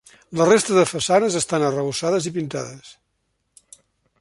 La resta de façanes estan arrebossades i pintades.